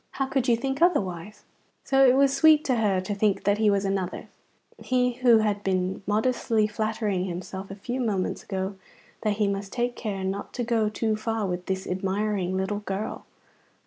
How could you think otherwise?" So it was sweet to her to think that he was another's! He who had been modestly flattering himself a few moments ago that he must take care not to go too far with this admiring little girl!